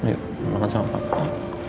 yuk makan sama papa